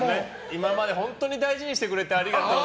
今まで本当に大事にしてくれてありがとう。